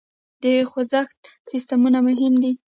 د خوزښت سیسټمونه مهم دي.